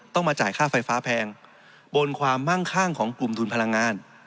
มาจ่ายค่าไฟฟ้าแพงบนความมั่งข้างของกลุ่มทุนพลังงาน